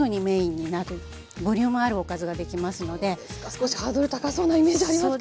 少しハードル高そうなイメージありますけど。